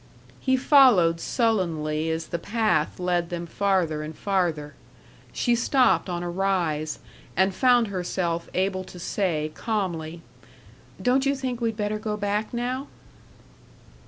He followed sullenly as the path led them farther and farther. She stopped on a rise, and found herself able to say, calmly, "Don't you think we'd better go back now?"